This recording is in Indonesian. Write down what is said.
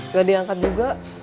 gak diangkat juga